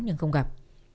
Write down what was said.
nhưng không gặp